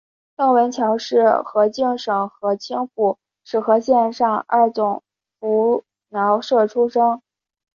邓文乔是河静省河清府石河县上二总拂挠社出生。